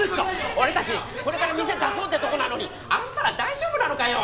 俺たちこれから店出そうってとこなのにあんたら大丈夫なのかよ？